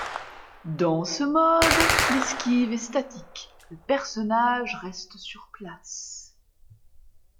Dans ce mode, l'esquive est statique, le personnage reste sur place.